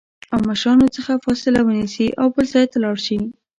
او مشرانو څخه فاصله ونیسي او بل ځای لاړ شي